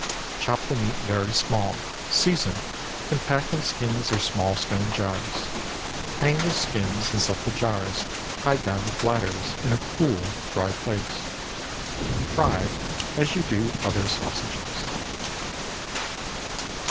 Chop the meat very small, season, and pack in skins or small stone jars. Hang the skins, and set the jars, tied down with bladders, in a cool, dry place. Fry as you do other sausages.